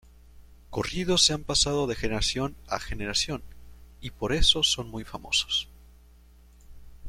Corridos se han pasado de generación a generación, y por eso son muy famosos.